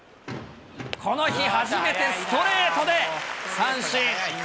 この日初めてストレートで三振。